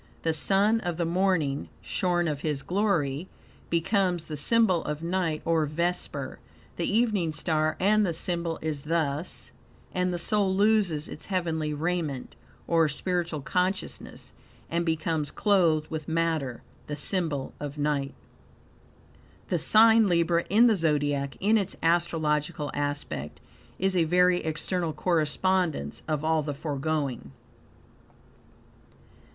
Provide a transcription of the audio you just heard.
The Sun of the Morning, shorn of his glory, becomes the symbol of night, or Vesper, the evening star, and the symbol is thus {}, and the soul loses its heavenly raiment, or spiritual consciousness, and becomes clothed with matter, the symbol of night. The sign Libra in the Zodiac, in its astrological aspect, is a very external correspondence of all the foregoing.